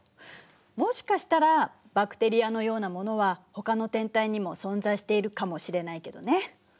もしかしたらバクテリアのようなものはほかの天体にも存在しているかもしれないけどね。